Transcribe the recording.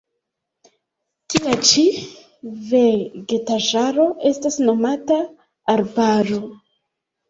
Tia ĉi vegetaĵaro estas nomata arbaro.